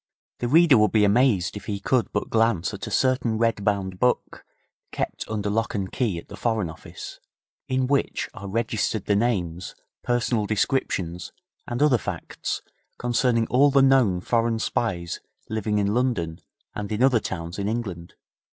The reader would be amazed if he could but glance at a certain red bound book, kept under lock and key at the Foreign Office, in which are registered the names, personal descriptions and other facts concerning all the known foreign spies living in London and in other towns in England.